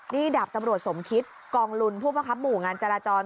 นี่ดาบตำรวจสมคิตกองลุนผู้ประคับหมู่งานจราจร